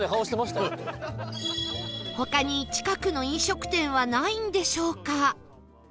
他に近くの飲食店はないんでしょうか？